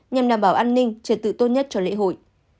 nhằm đảm bảo an ninh trật tự tốt nhất cho lễ hội